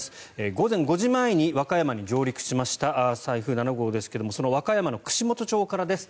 午前５時前に和歌山に上陸しました台風７号ですがその和歌山の串本町からです。